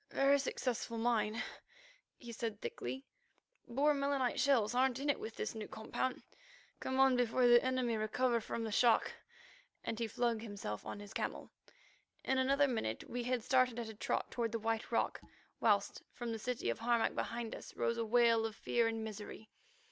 "Very successful mine," he said thickly. "Boer melinite shells aren't in it with this new compound. Come on before the enemy recover from the shock," and he flung himself upon his camel. In another minute we had started at a trot toward the White Rock, whilst from the city of Harmac behind us rose a wail of fear and misery.